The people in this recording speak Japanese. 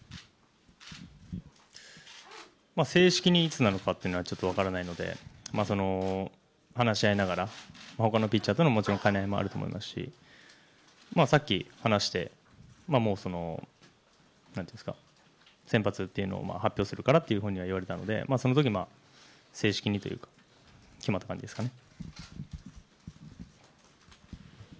正式にいつなのかというのはちょっと分からないので話し合いながら、他のピッチャーとの兼ね合いもあると思いますしさっき話して、もう先発を発表するからと言われたので、そのとき、正式にというか決まった感じですかね。